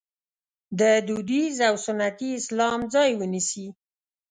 د دودیز او سنتي اسلام ځای ونیسي.